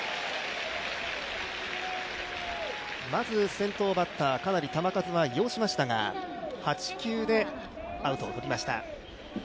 先頭バッター、かなり球数は要しましたが、８球でアウトをとりました。